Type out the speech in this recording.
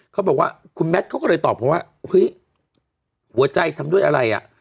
เขาบอกว่าคุณแมทเขาก็เลยตอบเขาว่าเฮ้ยหัวใจทำด้วยอะไรอ่ะ